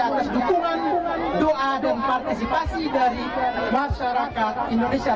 atas dukungan doa dan partisipasi dari masyarakat indonesia